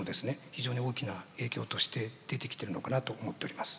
非常に大きな影響として出てきてるのかなと思っております。